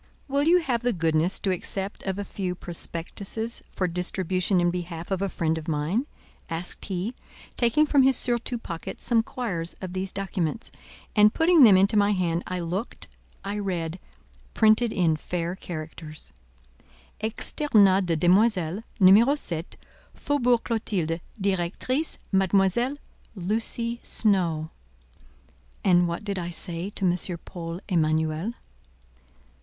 "Will you have the goodness to accept of a few prospectuses for distribution in behalf of a friend of mine?" asked he, taking from his surtout pocket some quires of these documents, and putting them into my hand. I looked, I read—printed in fair characters:— "Externat de demoiselles. Numéro 7, Faubourg Clotilde, Directrice, Mademoiselle Lucy Snowe." And what did I say to M. Paul Emanuel?